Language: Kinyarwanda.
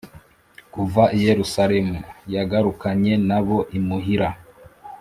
. Kuva i Yerusalemu yagarukanye na bo imuhira,